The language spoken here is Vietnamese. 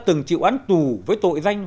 từng chịu án tù với tội danh